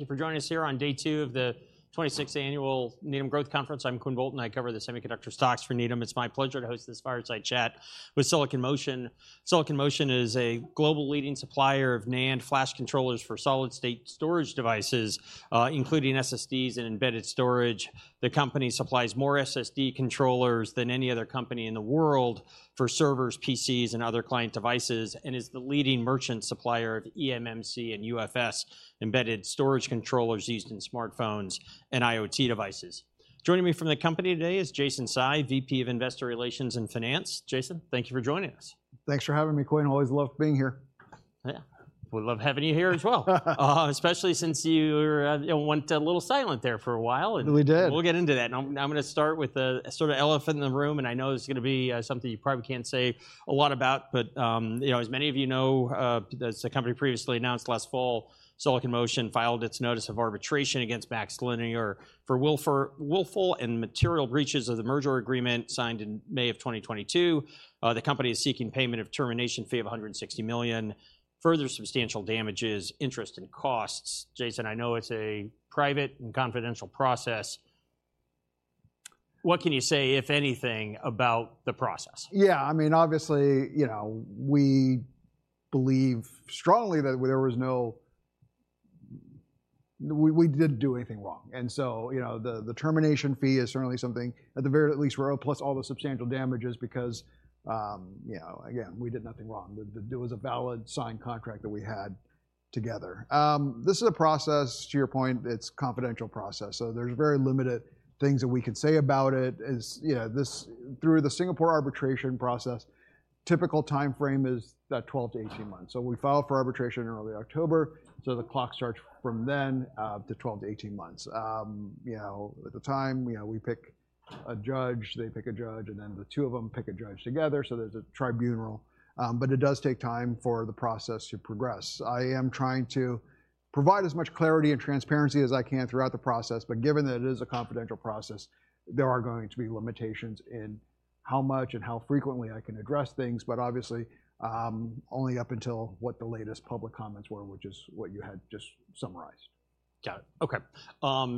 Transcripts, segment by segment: Thank you for joining us here on day two of the 26th Annual Needham Growth Conference. I'm Quinn Bolton, I cover the semiconductor stocks for Needham. It's my pleasure to host this fireside chat with Silicon Motion. Silicon Motion is a global leading supplier of NAND flash controllers for solid-state storage devices, including SSDs and embedded storage. The company supplies more SSD controllers than any other company in the world for servers, PCs, and other client devices, and is the leading merchant supplier of eMMC and UFS embedded storage controllers used in smartphones and IoT devices. Joining me from the company today is Jason Tsai, VP of Investor Relations and Finance. Jason, thank you for joining us. Thanks for having me, Quinn. Always love being here. Yeah. We love having you here as well. Especially since you went a little silent there for a while, and... We did. We'll get into that. Now, I'm gonna start with the sort of elephant in the room, and I know this is gonna be something you probably can't say a lot about, but, you know, as many of you know, as the company previously announced last fall, Silicon Motion filed its notice of arbitration against MaxLinear for willful and material breaches of the merger agreement signed in May of 2022. The company is seeking payment of termination fee of a $160 million, further substantial damages, interest, and costs. Jason, I know it's a private and confidential process. What can you say, if anything, about the process? Yeah, I mean, obviously, you know, we believe strongly that there was no... We didn't do anything wrong. And so, you know, the termination fee is certainly something at the very least, we're plus all the substantial damages because, you know, again, we did nothing wrong. There was a valid signed contract that we had together. This is a process, to your point, it's a confidential process, so there's very limited things that we can say about it. As you know, this through the Singapore arbitration process, typical timeframe is that 12-18 months. So we filed for arbitration in early October, so the clock starts from then to 12-18 months. You know, at the time, you know, we pick a judge, they pick a judge, and then the two of them pick a judge together, so there's a tribunal. It does take time for the process to progress. I am trying to provide as much clarity and transparency as I can throughout the process, but given that it is a confidential process, there are going to be limitations in how much and how frequently I can address things, but obviously, only up until what the latest public comments were, which is what you had just summarized. Got it. Okay.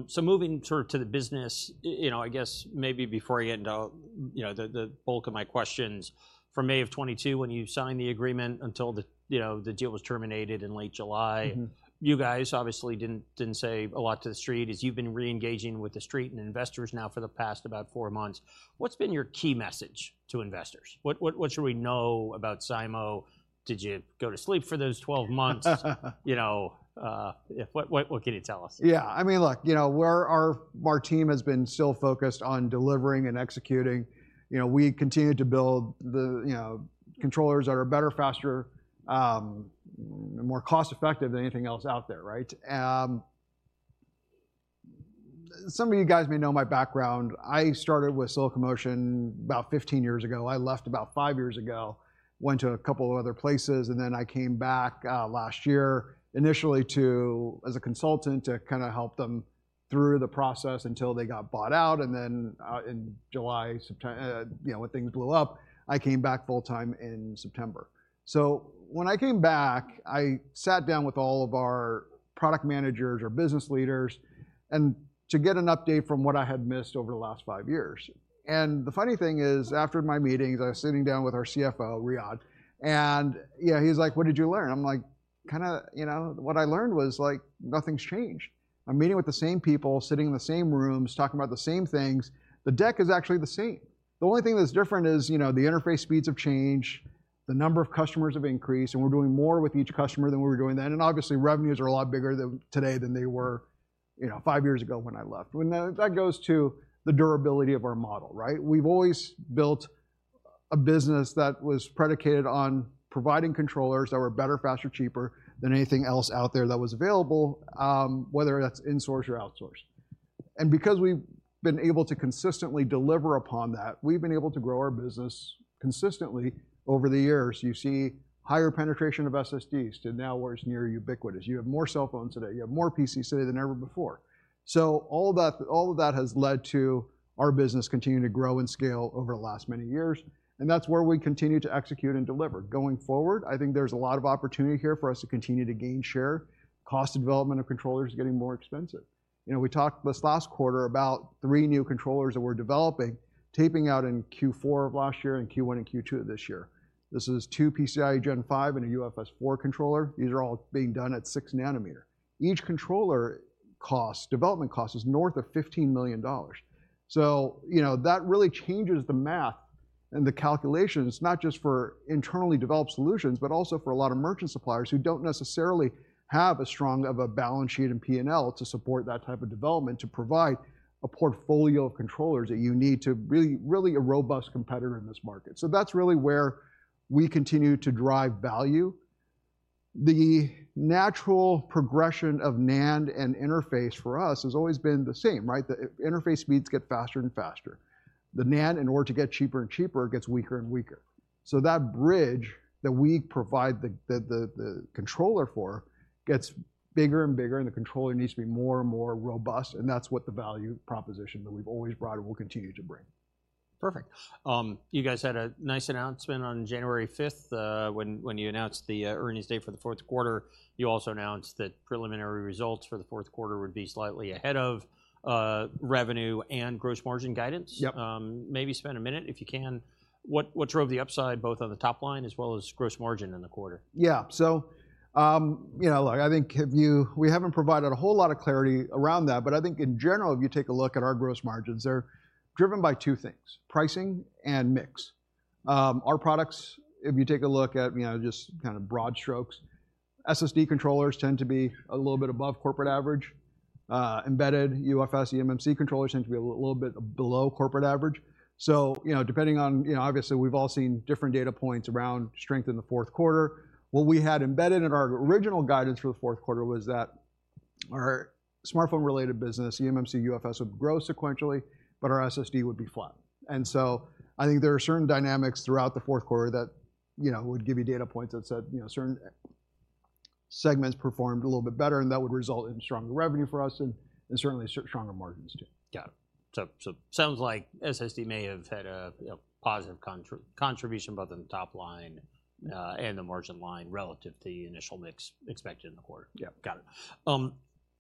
So moving sort of to the business, you know, I guess maybe before I get into, you know, the bulk of my questions, from May of 2022, when you signed the agreement, until the, you know, the deal was terminated in late July... Mm-hmm. You guys obviously didn't say a lot to the street. As you've been re-engaging with the street and investors now for the past about four months, what's been your key message to investors? What should we know about SIMO? Did you go to sleep for those twelve months? You know, what can you tell us? Yeah, I mean, look, you know, our team has been so focused on delivering and executing. You know, we continue to build the, you know, controllers that are better, faster, more cost-effective than anything else out there, right? Some of you guys may know my background. I started with Silicon Motion about 1five years ago. I left about five years ago, went to a couple of other places, and then I came back last year, initially as a consultant, to kind of help them through the process until they got bought out, and then in July, September, you know, when things blew up, I came back full time in September. So when I came back, I sat down with all of our product managers or business leaders, and to get an update from what I had missed over the last five years. And the funny thing is, after my meetings, I was sitting down with our CFO, Riyadh, and yeah, he's like: "What did you learn?" I'm like: "Kind of, you know, what I learned was, like, nothing's changed. I'm meeting with the same people, sitting in the same rooms, talking about the same things. The deck is actually the same. The only thing that's different is, you know, the interface speeds have changed, the number of customers have increased, and we're doing more with each customer than we were doing then, and obviously, revenues are a lot bigger today than they were, you know, five years ago when I left." And that, that goes to the durability of our model, right? We've always built a business that was predicated on providing controllers that were better, faster, cheaper, than anything else out there that was available, whether that's in-source or outsource. Because we've been able to consistently deliver upon that, we've been able to grow our business consistently over the years. You see higher penetration of SSDs to now where it's near ubiquitous. You have more cell phones today, you have more PCs today than ever before. All that, all of that has led to our business continuing to grow and scale over the last many years, and that's where we continue to execute and deliver. Going forward, I think there's a lot of opportunity here for us to continue to gain share. Cost of development of controllers is getting more expensive. You know, we talked this last quarter about three new controllers that we're developing, taping out in fourth quarter of last year and first quarter and second quarter of this year. This is two PCIe Gen 5 and a UFS 4 controller. These are all being done at 6 nanometer. Each controller costs, development cost, is north of $15 million. So, you know, that really changes the math and the calculations, not just for internally developed solutions, but also for a lot of merchant suppliers who don't necessarily have as strong of a balance sheet and P&L to support that type of development, to provide a portfolio of controllers that you need to really, really a robust competitor in this market. So that's really where we continue to drive value. The natural progression of NAND and interface for us has always been the same, right? The interface speeds get faster and faster. The NAND, in order to get cheaper and cheaper, gets weaker and weaker. So that bridge that we provide the controller for, gets bigger and bigger, and the controller needs to be more and more robust, and that's what the value proposition that we've always brought and will continue to bring. Perfect. You guys had a nice announcement on 5 January 2024, when you announced the earnings date for the fourth quarter. You also announced that preliminary results for the fourth quarter would be slightly ahead of revenue and gross margin guidance. Yep. Maybe spend a minute, if you can, what drove the upside, both on the top line as well as gross margin in the quarter? Yeah. So, you know, look, I think if you, we haven't provided a whole lot of clarity around that, but I think in general, if you take a look at our gross margins, they're driven by two things: pricing and mix. Our products, if you take a look at, you know, just kind of broad strokes, SSD controllers tend to be a little bit above corporate average. Embedded UFS, eMMC controllers tend to be a little bit below corporate average. So, you know, depending on. You know, obviously, we've all seen different data points around strength in the fourth quarter. What we had embedded in our original guidance for the fourth quarter was that our smartphone-related business, eMMC, UFS, would grow sequentially, but our SSD would be flat. And so I think there are certain dynamics throughout the fourth quarter that, you know, would give you data points that said, you know, certain segments performed a little bit better, and that would result in stronger revenue for us and certainly stronger margins, too. Got it. So sounds like SSD may have had a positive contribution, both in the top line, and the margin line, relative to the initial mix expected in the quarter. Yep. Got it.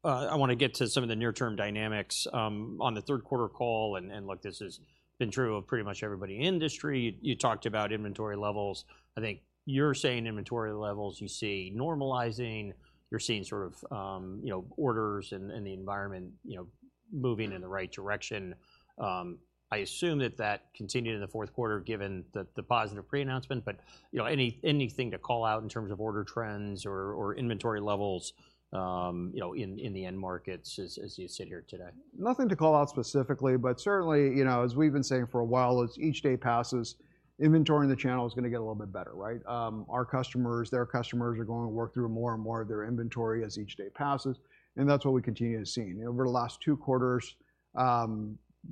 I want to get to some of the near-term dynamics. On the third quarter call, and, and, look, this has been true of pretty much everybody in industry, you talked about inventory levels. I think you're saying inventory levels, you see normalizing, you're seeing sort of, you know, orders and, and the environment, you know, moving in the right direction. I assume that that continued in the fourth quarter, given the, the positive pre-announcement. But, you know, any, anything to call out in terms of order trends or, or inventory levels, you know, in, in the end markets as, as you sit here today? Nothing to call out specifically, but certainly, you know, as we've been saying for a while, as each day passes, inventory in the channel is going to get a little bit better, right? Our customers, their customers are going to work through more and more of their inventory as each day passes, and that's what we continue to see. Over the last two quarters,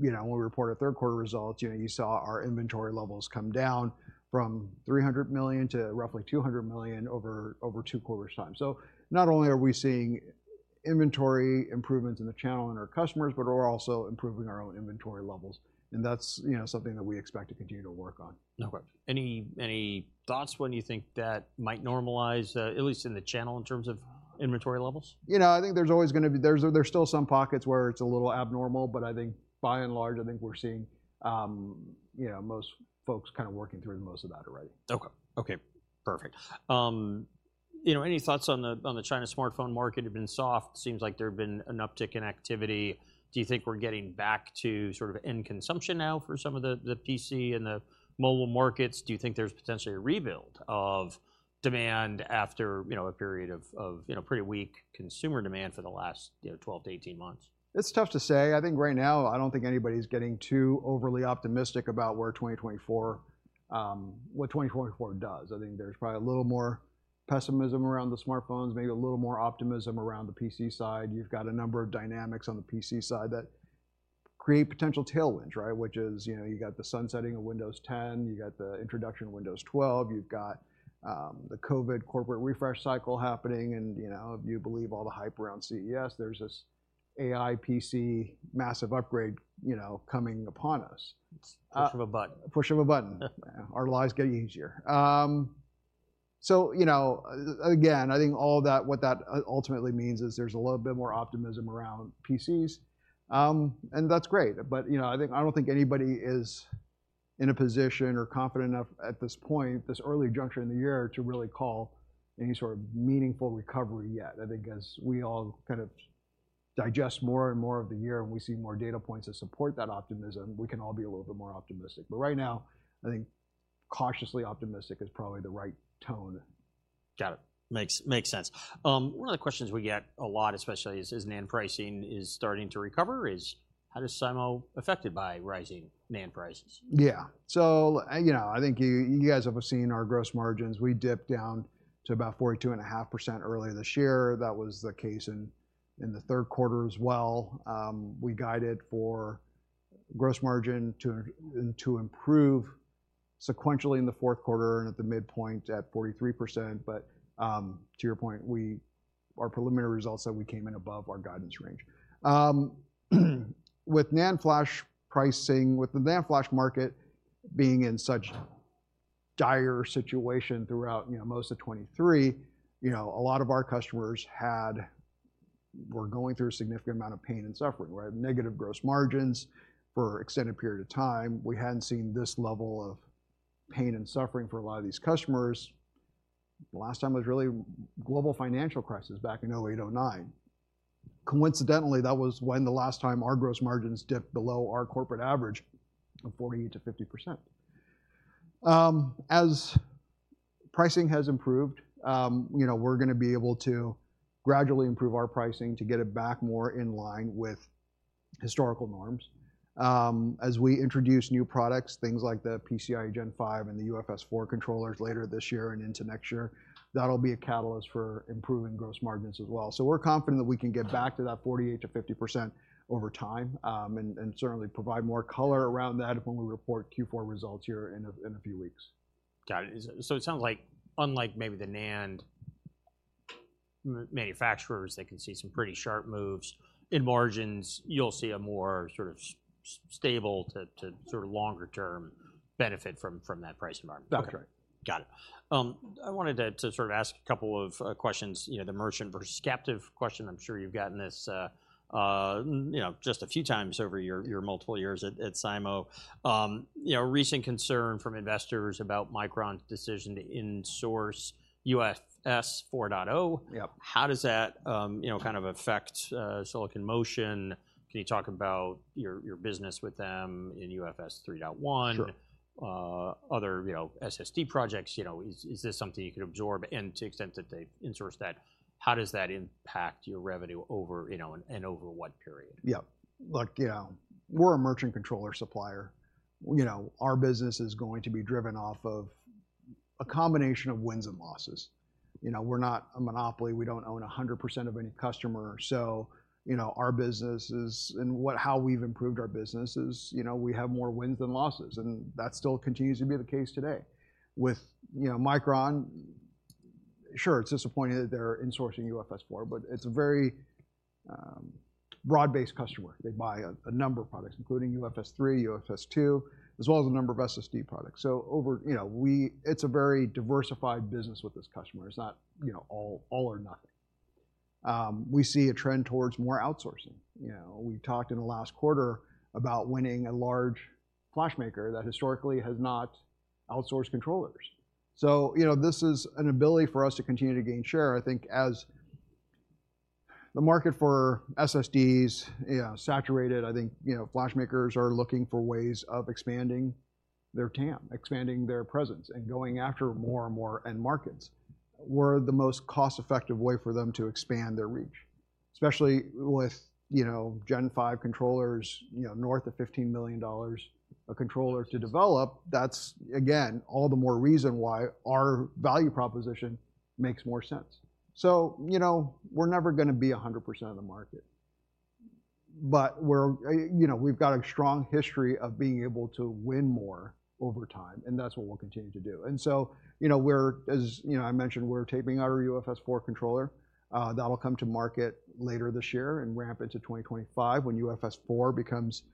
you know, when we reported third quarter results, you know, you saw our inventory levels come down from $300 million to roughly $200 million over two quarters' time. Not only are we seeing inventory improvements in the channel and our customers, but we're also improving our own inventory levels, and that's, you know, something that we expect to continue to work on. No question. Any, any thoughts when you think that might normalize, at least in the channel, in terms of inventory levels? You know, I think there's always going to be. There's still some pockets where it's a little abnormal, but I think by and large, I think we're seeing, you know, most folks kind of working through most of that already. Okay. Okay, perfect. You know, any thoughts on the, on the China smartphone market have been soft? Seems like there have been an uptick in activity. Do you think we're getting back to sort of end consumption now for some of the, the PC and the mobile markets? Do you think there's potentially a rebuild of demand after, you know, a period of, you know, pretty weak consumer demand for the last, you know, 12-18 months? It's tough to say. I think right now, I don't think anybody's getting too overly optimistic about where 2024, what 2024 does. I think there's probably a little more pessimism around the smartphones, maybe a little more optimism around the PC side. You've got a number of dynamics on the PC side that create potential tailwind, right? Which is, you know, you got the sunsetting of Windows 10, you got the introduction of Windows 12, you've got, the COVID corporate refresh cycle happening, and, you know, if you believe all the hype around CES, there's this AI PC massive upgrade, you know, coming upon us. Push of a button. Push of a button. Our lives getting easier. So, you know, again, I think all that, what that ultimately means is there's a little bit more optimism around PCs, and that's great. But, you know, I think—I don't think anybody is in a position or confident enough at this point, this early juncture in the year, to really call any sort of meaningful recovery yet. I think as we all kind of digest more and more of the year and we see more data points that support that optimism, we can all be a little bit more optimistic. But right now, I think cautiously optimistic is probably the right tone. Got it. Makes sense. One of the questions we get a lot, especially, is NAND pricing starting to recover? How is SIMO affected by rising NAND prices? Yeah. So, you know, I think you guys have seen our gross margins. We dipped down to about 42.5% earlier this year. That was the case in the third quarter as well. We guided for gross margin to improve sequentially in the fourth quarter and at the midpoint at 43%. But, to your point, our preliminary results said we came in above our guidance range. With NAND flash pricing, with the NAND flash market being in such dire situation throughout, you know, most of 2023, you know, a lot of our customers were going through a significant amount of pain and suffering, right? Negative gross margins for extended period of time. We hadn't seen this level of pain and suffering for a lot of these customers. Last time was really global financial crisis back in 2008, 2009. Coincidentally, that was when the last time our gross margins dipped below our corporate average of 40% to 50%. As pricing has improved, you know, we're gonna be able to gradually improve our pricing to get it back more in line with historical norms. As we introduce new products, things like the PCIe Gen 5 and the UFS 4 controllers later this year and into next year, that'll be a catalyst for improving gross margins as well. So we're confident that we can get back to that 48% to 50% over time, and certainly provide more color around that when we report fourth quarter results here in a few weeks. Got it. So it sounds like, unlike maybe the NAND manufacturers, they can see some pretty sharp moves. In margins, you'll see a more sort of stable to sort of longer term benefit from that price environment. Okay, got it. I wanted to, to sort of ask a couple of questions, you know, the merchant versus captive question. I'm sure you've gotten this, you know, just a few times over your, your multiple years at, at SIMO. You know, recent concern from investors about Micron's decision to in-source UFS 4.0... Yep. How does that, you know, kind of affect, Silicon Motion? Can you talk about your business with them in UFS 3.1? Sure. Other, you know, SSD projects, you know, is this something you could absorb? And to the extent that they've in-sourced that, how does that impact your revenue over, you know, and over what period? Yep. Look, you know, we're a merchant controller supplier. You know, our business is going to be driven off of a combination of wins and losses. You know, we're not a monopoly. We don't own 100% of any customer, so, you know, our business is... and how we've improved our business is, you know, we have more wins than losses, and that still continues to be the case today. With, you know, Micron, sure, it's disappointing that they're insourcing UFS 4, but it's a very broad-based customer. They buy a number of products, including UFS 3, UFS 2, as well as a number of SSD products. So, you know, it's a very diversified business with this customer. It's not, you know, all or nothing. We see a trend towards more outsourcing. You know, we talked in the last quarter about winning a large flash maker that historically has not outsourced controllers. So, you know, this is an ability for us to continue to gain share. I think as the market for SSDs, you know, saturated, I think, you know, flash makers are looking for ways of expanding their TAM, expanding their presence, and going after more and more end markets. We're the most cost-effective way for them to expand their reach, especially with, you know, Gen 5 controllers, you know, north of $15 million a controller to develop, that's, again, all the more reason why our value proposition makes more sense. So, you know, we're never gonna be 100% of the market, but we're, you know, we've got a strong history of being able to win more over time, and that's what we'll continue to do. And so, you know, we're, as, you know, I mentioned, we're taping our UFS 4 controller. That'll come to market later this year and ramp into 2025 when UFS 4 becomes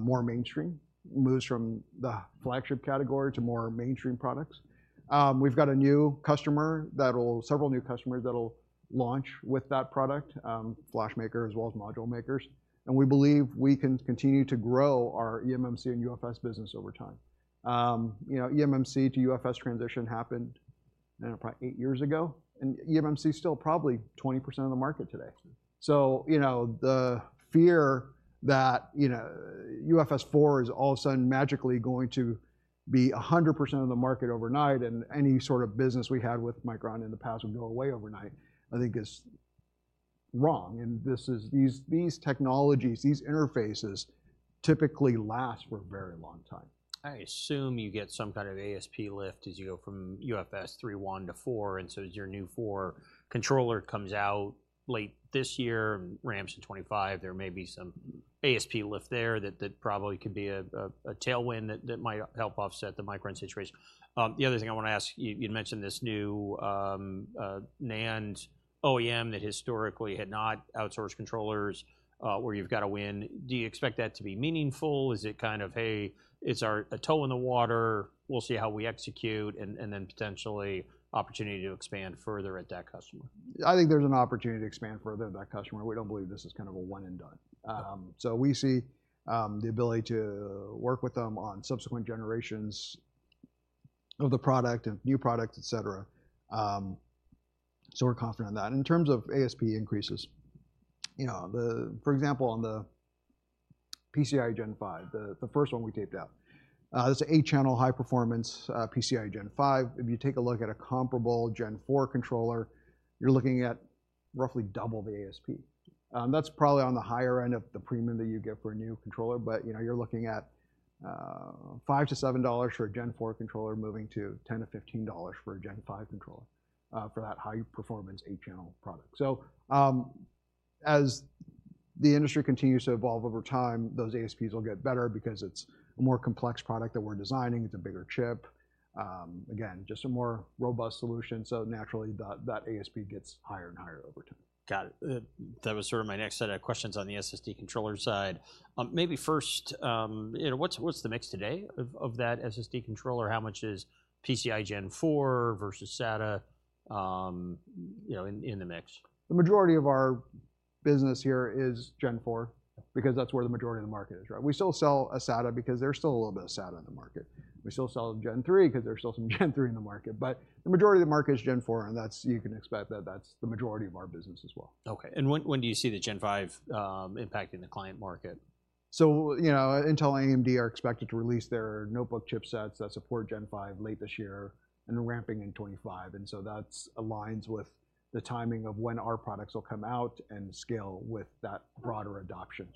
more mainstream, moves from the flagship category to more mainstream products. We've got a new customer that will—several new customers that'll launch with that product, flash maker as well as module makers, and we believe we can continue to grow our eMMC and UFS business over time. You know, eMMC to UFS transition happened, you know, probably eight years ago, and eMMC is still probably 20% of the market today. So, you know, the fear that, you know, UFS 4 is all of a sudden magically going to be 100% of the market overnight, and any sort of business we had with Micron in the past would go away overnight, I think is wrong, and this is, these, these technologies, these interfaces, typically last for a very long time. I assume you get some kind of ASP lift as you go from UFS 3.1 to 4, and so as your new 4 controller comes out late this year and ramps to 2025, there may be some ASP lift there that probably could be a tailwind that might help offset the Micron situation. The other thing I want to ask you, you'd mentioned this new NAND OEM that historically had not outsourced controllers, where you've got a win. Do you expect that to be meaningful? Is it kind of, "Hey, it's our a toe in the water, we'll see how we execute, and then potentially opportunity to expand further at that customer? I think there's an opportunity to expand further with that customer. We don't believe this is kind of a one and done. So we see the ability to work with them on subsequent generations of the product and new products, et cetera. So we're confident on that. In terms of ASP increases, you know, the. For example, on the PCIe Gen 5, the first one we taped out, it's an 8-channel high performance PCIe Gen 5. If you take a look at a comparable Gen 4 controller, you're looking at roughly double the ASP. That's probably on the higher end of the premium that you get for a new controller, but, you know, you're looking at $5 to 7 for a Gen 4 controller, moving to $10 to 15 for a Gen 5 controller, for that high-performance eight-channel product. So, as the industry continues to evolve over time, those ASPs will get better because it's a more complex product that we're designing. It's a bigger chip. Again, just a more robust solution, so naturally, that ASP gets higher and higher over time. Got it. That was sort of my next set of questions on the SSD controller side. Maybe first, you know, what's the mix today of that SSD controller? How much is PCIe Gen 4 versus SATA, you know, in the mix? The majority of our business here is Gen 4, because that's where the majority of the market is, right? We still sell a SATA because there's still a little bit of SATA in the market. We still sell Gen 3, because there's still some Gen 3 in the market. But the majority of the market is Gen 4, and that's, you can expect that that's the majority of our business as well. Okay. And when do you see the Gen 5 impacting the client market? So, you know, Intel and AMD are expected to release their notebook chipsets that support Gen 5 late this year and ramping in 2025, and so that aligns with the timing of when our products will come out and scale with that broader adoption.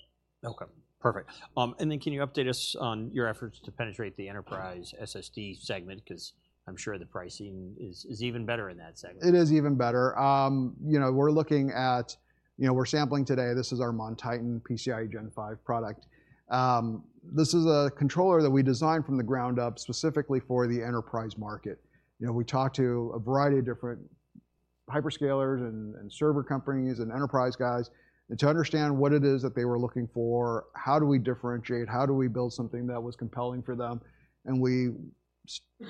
Okay, perfect. And then can you update us on your efforts to penetrate the enterprise SSD segment? Because I'm sure the pricing is even better in that segment. It is even better. You know, we're sampling today. This is our MonTitan PCIe Gen 5 product. This is a controller that we designed from the ground up specifically for the enterprise market. You know, we talked to a variety of different hyperscalers and server companies, and enterprise guys, and to understand what it is that they were looking for, how do we differentiate? How do we build something that was compelling for them? And we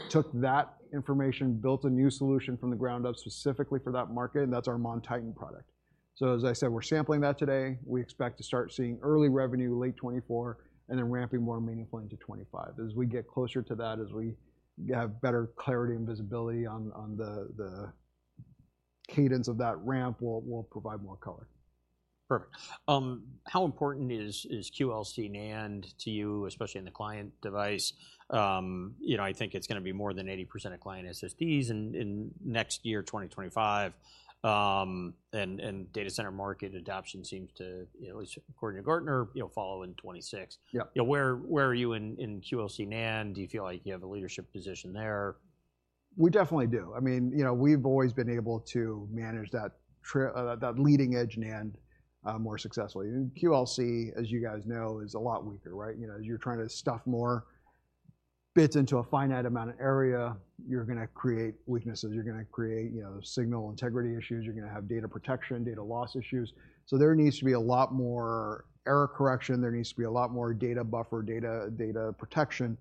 took that information, built a new solution from the ground up specifically for that market, and that's our MonTitan product. So as I said, we're sampling that today. We expect to start seeing early revenue late 2024 and then ramping more meaningfully into 2025. As we get closer to that, as we have better clarity and visibility on the cadence of that ramp, we'll provide more color. Perfect. How important is QLC NAND to you, especially in the client device? You know, I think it's gonna be more than 80% of client SSDs in next year, 2025. And data center market adoption seems to, at least according to Gartner, you know, follow in 2026. Yeah. You know, where are you in QLC NAND? Do you feel like you have a leadership position there? We definitely do. I mean, you know, we've always been able to manage that leading-edge NAND more successfully. And QLC, as you guys know, is a lot weaker, right? You know, as you're trying to stuff more bits into a finite amount of area, you're gonna create weaknesses, you're gonna create, you know, signal integrity issues, you're gonna have data protection, data loss issues. So there needs to be a lot more error correction. There needs to be a lot more data buffer, data, data protection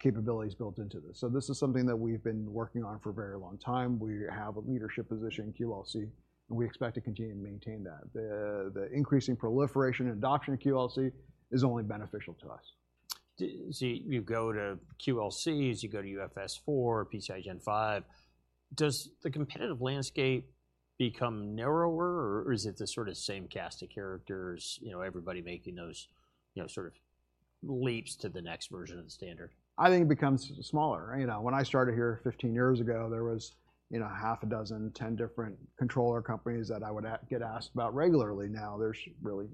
capabilities built into this. So this is something that we've been working on for a very long time. We have a leadership position in QLC, and we expect to continue to maintain that. The increasing proliferation and adoption of QLC is only beneficial to us. So you go to QLC, as you go to UFS 4, PCIe Gen 5, does the competitive landscape become narrower, or, or is it the sort of same cast of characters, you know, everybody making those, you know, sort of leaps to the next version of the standard? I think it becomes smaller, right? You know, when I started here 1five years ago, there was, you know, half a dozen, 10 different controller companies that I would get asked about regularly. Now, there's really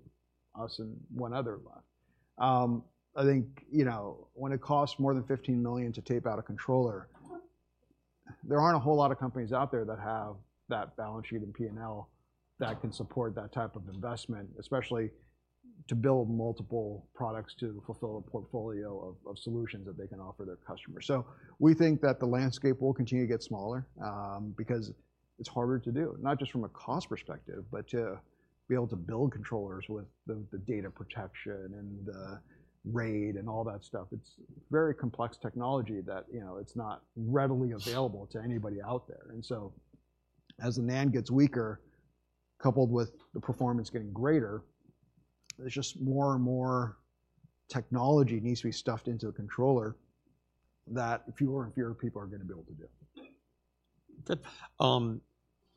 us and one other left. I think, you know, when it costs more than $15 million to tape out a controller, there aren't a whole lot of companies out there that have that balance sheet and P&L that can support that type of investment, especially to build multiple products to fulfill a portfolio of solutions that they can offer their customers. So we think that the landscape will continue to get smaller, because it's harder to do, not just from a cost perspective, but to be able to build controllers with the data protection and the RAID, and all that stuff. It's very complex technology that, you know, it's not readily available to anybody out there. And so, as the NAND gets weaker, coupled with the performance getting greater, there's just more and more technology needs to be stuffed into a controller that fewer and fewer people are gonna be able to do.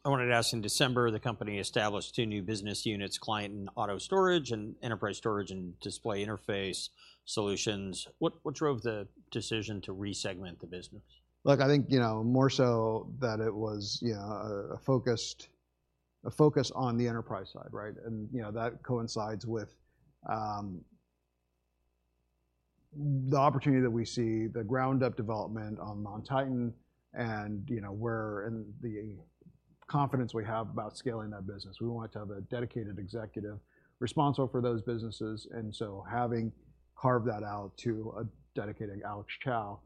I wanted to ask, in December, the company established two new business units, Client and Auto Storage and Enterprise Storage and Display Interface Solutions. What drove the decision to re-segment the business? Look, I think, you know, more so than it was, you know, a focus on the enterprise side, right? And, you know, that coincides with the opportunity that we see, the ground-up development on MonTitan and, you know, where, and the confidence we have about scaling that business. We wanted to have a dedicated executive responsible for those businesses, and so having carved that out to a dedicated Alex Chou,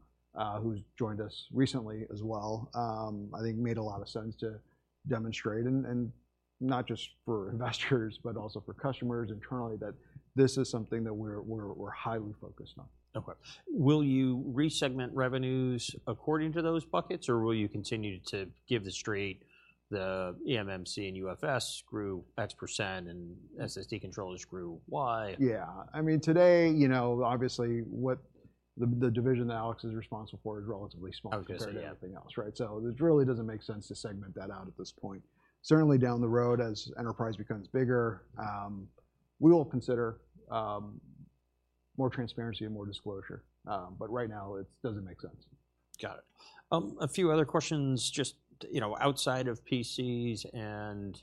who's joined us recently as well, I think made a lot of sense to demonstrate, and not just for investors but also for customers internally, that this is something that we're highly focused on. Okay. Will you re-segment revenues according to those buckets, or will you continue to give the straight, the eMMC and UFS grew X% and SSD controllers grew Y? Yeah. I mean, today, you know, obviously, what the division that Alex is responsible for is relatively small... Okay. Yeah Compared to everything else, right? So it really doesn't make sense to segment that out at this point. Certainly, down the road, as enterprise becomes bigger, we will consider more transparency and more disclosure, but right now, it doesn't make sense. Got it. A few other questions just, you know, outside of PCs and,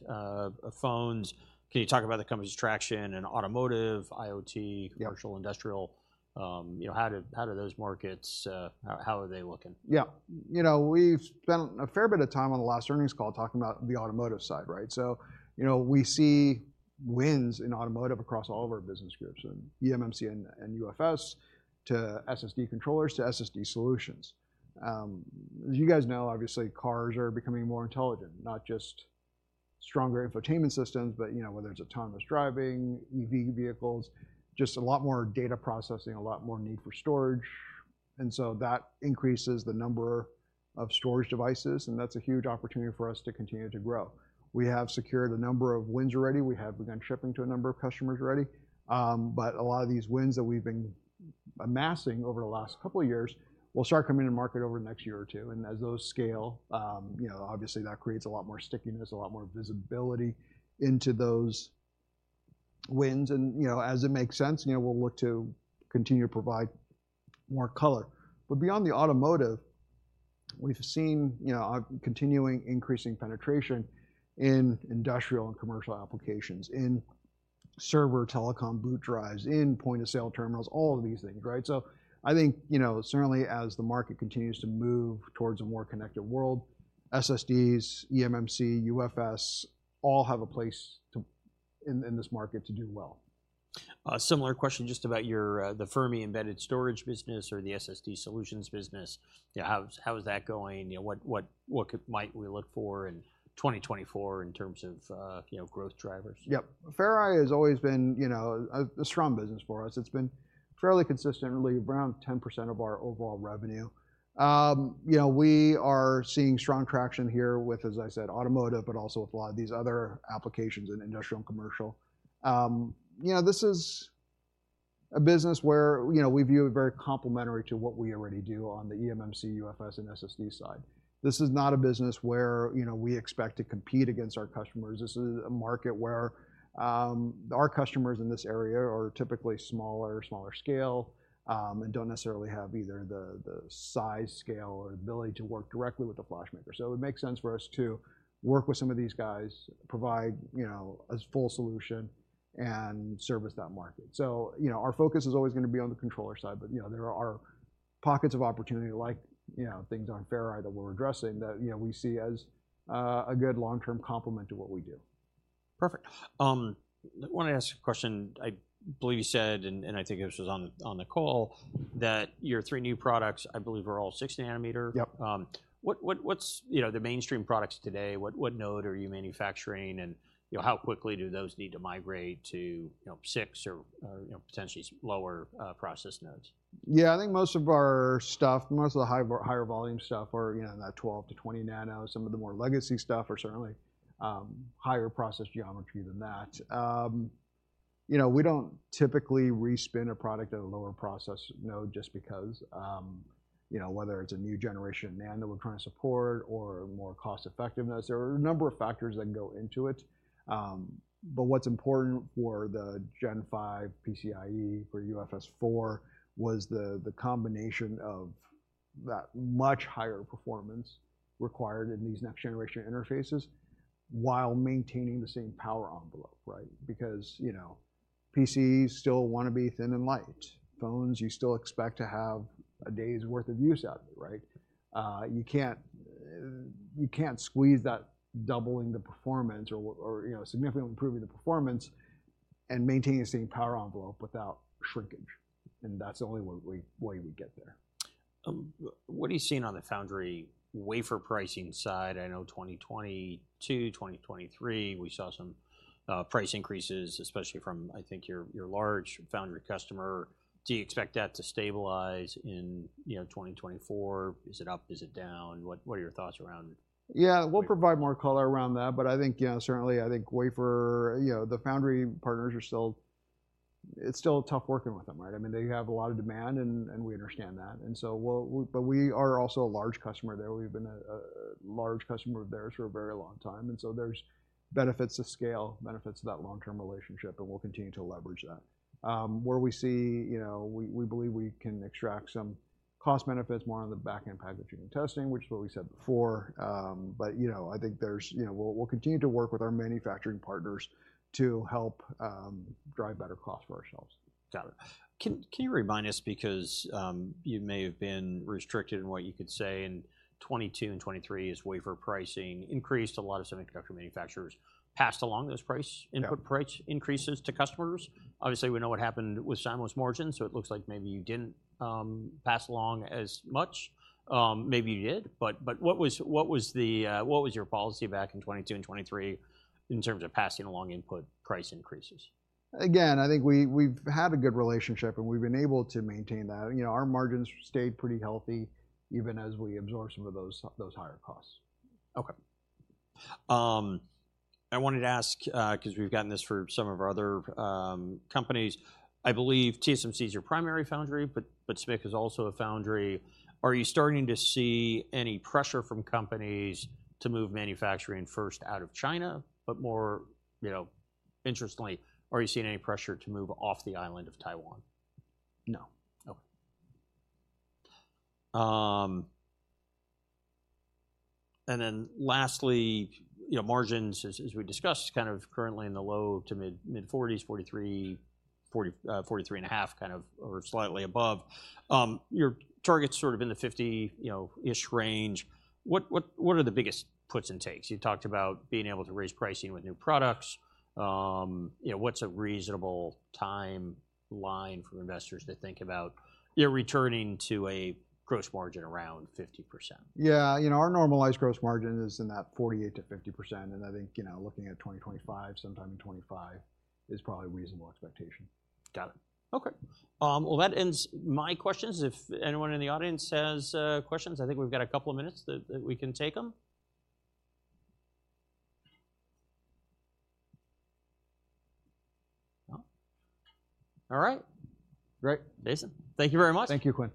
phones, can you talk about the company's traction in automotive, IoT... Yeah Commercial, industrial? You know, how do those markets, how are they looking? Yeah. You know, we've spent a fair bit of time on the last earnings call talking about the automotive side, right? So, you know, we see wins in automotive across all of our business groups, in eMMC and, and UFS, to SSD controllers, to SSD solutions. As you guys know, obviously, cars are becoming more intelligent, not just stronger infotainment systems, but, you know, whether it's autonomous driving, EV vehicles, just a lot more data processing, a lot more need for storage, and so that increases the number of storage devices, and that's a huge opportunity for us to continue to grow. We have secured a number of wins already. We have begun shipping to a number of customers already. But a lot of these wins that we've been amassing over the last couple of years will start coming to market over the next year or two, and as those scale, you know, obviously, that creates a lot more stickiness, a lot more visibility into those wins. And, you know, as it makes sense, you know, we'll look to continue to provide more color. But beyond the automotive, we've seen, you know, a continuing increasing penetration in industrial and commercial applications, in server, telecom, boot drives in point-of-sale terminals, all of these things, right? So I think, you know, certainly as the market continues to move towards a more connected world, SSDs, eMMC, UFS all have a place in this market to do well. Similar question just about your, the Ferri embedded storage business or the SSD solutions business. Yeah, how is that going? You know, what might we look for in 2024 in terms of, you know, growth drivers? Yep. Ferri has always been, you know, a strong business for us. It's been fairly consistently around 10% of our overall revenue. You know, we are seeing strong traction here with, as I said, automotive, but also with a lot of these other applications in industrial and commercial. You know, this is a business where, you know, we view it very complementary to what we already do on the eMMC, UFS, and SSD side. This is not a business where, you know, we expect to compete against our customers. This is a market where, our customers in this area are typically smaller, smaller scale, and don't necessarily have either the size, scale, or ability to work directly with the flash maker. So it would make sense for us to work with some of these guys, provide, you know, a full solution and service that market. So, you know, our focus is always gonna be on the controller side, but, you know, there are pockets of opportunity like, you know, things on Ferri that we're addressing that, you know, we see as a good long-term complement to what we do. Perfect. I wanna ask a question. I believe you said, and I think this was on the call, that your three new products, I believe, are all 6 nanometer. Yep. What's, you know, the mainstream products today? What node are you manufacturing, and, you know, how quickly do those need to migrate to, you know, six or potentially lower process nodes? Yeah, I think most of our stuff, most of the higher vol- higher volume stuff are, you know, that 12-20 nano. Some of the more legacy stuff are certainly higher process geometry than that. You know, we don't typically respin a product at a lower process node just because, you know, whether it's a new generation nano we're trying to support or more cost effectiveness, there are a number of factors that go into it. But what's important for the Gen 5 PCIe, for UFS 4, was the, the combination of that much higher performance required in these next-generation interfaces while maintaining the same power envelope, right? Because, you know, PCs still wanna be thin and light. Phones, you still expect to have a day's worth of use out of it, right? You can't, you can't squeeze that doubling the performance or, you know, significantly improving the performance and maintaining the same power envelope without shrinkage, and that's the only way, way, way we get there. What are you seeing on the foundry wafer pricing side? I know 2022, 2023, we saw some price increases, especially from, I think, your, your large foundry customer. Do you expect that to stabilize in, you know, 2024? Is it up? Is it down? What, what are your thoughts around it? Yeah, we'll provide more color around that, but I think, you know, certainly, I think wafer... you know, the foundry partners are still, it's still tough working with them, right? I mean, they have a lot of demand, and we understand that. And so we'll, but we are also a large customer there. We've been a large customer of theirs for a very long time, and so there's benefits of scale, benefits of that long-term relationship, and we'll continue to leverage that. Where we see, you know, we believe we can extract some cost benefits more on the back-end packaging and testing, which is what we said before. But, you know, I think there's, you know... we'll continue to work with our manufacturing partners to help drive better cost for ourselves. Got it. Can you remind us, because you may have been restricted in what you could say in 2022 and 2023, as wafer pricing increased, a lot of semiconductor manufacturers passed along those price... Yeah Input price increases to customers. Obviously, we know what happened with SIMO's margins, so it looks like maybe you didn't pass along as much. Maybe you did, but what was your policy back in 2022 and 2023 in terms of passing along input price increases? Again, I think we, we've had a good relationship, and we've been able to maintain that. You know, our margins stayed pretty healthy, even as we absorb some of those, those higher costs. Okay. I wanted to ask, 'cause we've gotten this from some of our other companies. I believe TSMC is your primary foundry, but, but SMIC is also a foundry. Are you starting to see any pressure from companies to move manufacturing first out of China, but more, you know, interestingly, are you seeing any pressure to move off the island of Taiwan? No. Okay. And then lastly, you know, margins, as we discussed, is kind of currently in the low to mid-40s, 43, 40, 43.5, kind of, or slightly above. Your target's sort of in the 50, you know, ish range. What are the biggest puts and takes? You talked about being able to raise pricing with new products. You know, what's a reasonable timeline for investors to think about, you know, returning to a gross margin around 50%? Yeah, you know, our normalized gross margin is in that 48% to 50%, and I think, you know, looking at 2025, sometime in 2025, is probably a reasonable expectation. Got it. Okay, well, that ends my questions. If anyone in the audience has questions, I think we've got a couple of minutes that we can take them. Well, all right. Great. Jason, thank you very much. Thank you, Quinn.